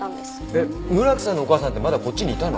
えっ村木さんのお母さんってまだこっちにいたの？